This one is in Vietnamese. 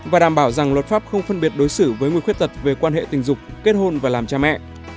và đảm bảo rằng luật pháp không phân biệt đối xử với người khuyết tật về quan hệ tình dục kết hôn và làm cha mẹ